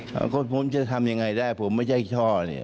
ก็ก็ว่าผมจะทำอย่างไรได้ผมไม่ใช่ช่อ